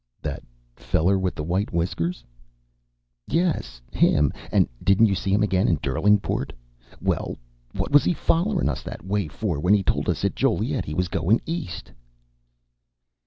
"That feller with the white whiskers?" "Yes, him. And didn't you see him again at Derlingport? Well, what was he follerin' us that way for when he told us at Joliet he was goin' East?"